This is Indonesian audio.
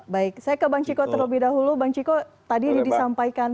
baik saya ke bang ciko terlebih dahulu bang ciko tadi disampaikan